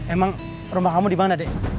emang rumah kamu dimana dek